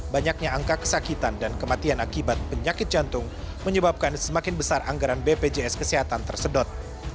banyaknya angka kesakitan dan kematian akibat penyakit jantung menyebabkan semakin besar anggaran bpjs kesehatan tersedot